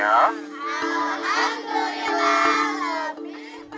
alhamdulillah lebih baik